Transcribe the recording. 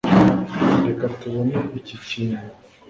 reka tubone iki kintu